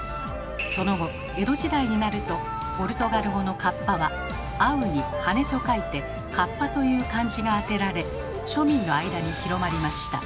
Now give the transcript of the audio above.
その後江戸時代になるとポルトガル語の「かっぱ」は「合う」に「羽」と書いて「合羽」という漢字が当てられ庶民の間に広まりました。